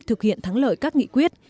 thực hiện thắng lời các nghị quyết